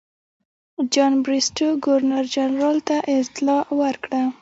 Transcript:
جان بریسټو ګورنر جنرال ته اطلاع ورکړه.